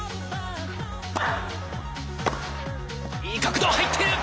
いい角度、入っている！